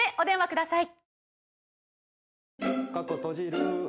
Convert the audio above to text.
ください